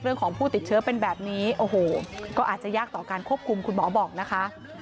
ผู้ติดเชื้อเป็นแบบนี้โอ้โหก็อาจจะยากต่อการควบคุมคุณหมอบอกนะคะ